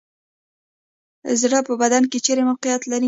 زړه په بدن کې چیرته موقعیت لري